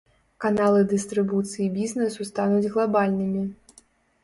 Каналы дыстрыбуцыі бізнэсу стануць глабальнымі.